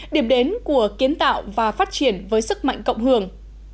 điểm đến của kiến tạo và phát triển với sức mạnh cộng hưởng